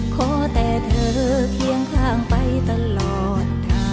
ขอแต่เธอเคียงข้างไปตลอด